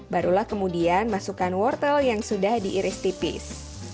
barulah kemudian masukkan wortel yang sudah diiris tipis